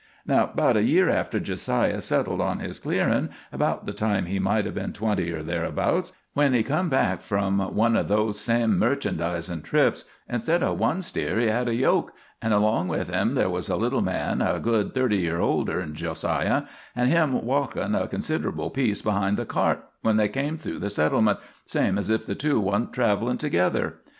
"Now about a year after Jo siah settled on his clearin', about the time he might have been twenty or thereabouts, when he come back from one of those same merchandisin' trips, instid of one steer he had a yoke, and along with him there was a little man a good thirty year older 'n Jo siah, an' him walkin' a considerable piece behind the cart when they come through the settlement, same as if the two wa'n't travelin' together.